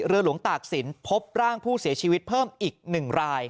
หลวงตากศิลป์พบร่างผู้เสียชีวิตเพิ่มอีก๑ราย